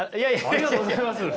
ありがとうございます！